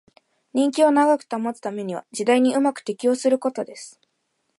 人気を長く保つためには時代にうまく適応することです